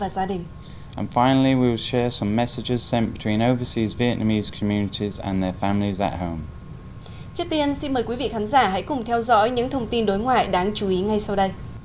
trước tiên xin mời quý vị khán giả hãy cùng theo dõi những thông tin đối ngoại đáng chú ý ngay sau đây